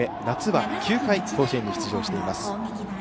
夏は９回甲子園に出場しています。